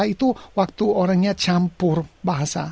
itu waktu orangnya campur bahasa